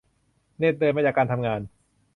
เหน็ดเหนื่อยมาจากการทำงาน